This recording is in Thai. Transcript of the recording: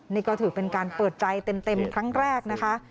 นี่ก็ถือเป็นการเปิดใจเต็มครั้งแรกนะคะ